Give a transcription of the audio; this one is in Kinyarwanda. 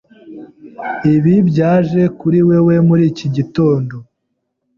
Ibi byaje kuri wewe muri iki gitondo.